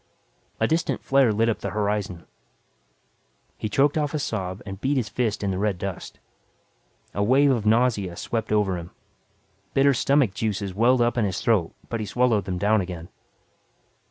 A distant flare lit up the horizon. He choked off a sob, and beat his fist in the red dust. A wave of nausea swept over him. Bitter stomach juices welled up in his throat but he swallowed them down again.